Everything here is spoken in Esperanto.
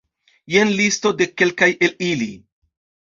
Jen listo de kelkaj el ili.